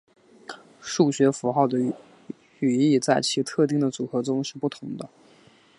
数字符号的语义在其特定的组合中是不同的。